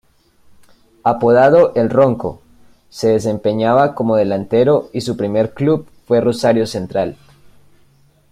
Apodado el "Ronco", se desempeñaba como delantero y su primer club fue Rosario Central.